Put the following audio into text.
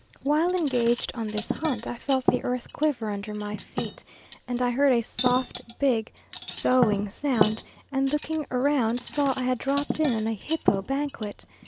While engaged on this hunt I felt the earth quiver under my feet, and heard a soft big soughing sound, and looking round saw I had dropped in on a hippo banquet.